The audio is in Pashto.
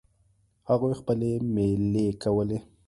هغوی خپلې میلې کولې.